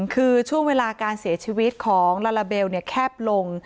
คือช่วงเวลาการเสียชีวิตของลาลาเบลแคบลง